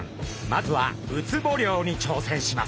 まずはウツボ漁に挑戦します。